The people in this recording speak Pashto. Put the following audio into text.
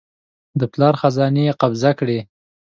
د پلار خزانې یې قبضه کړې.